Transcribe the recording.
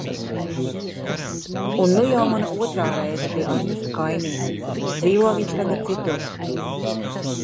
Un nu jau mana otrā reize pie Artusa Kaimiņa, dzīvo viņš tagad citur.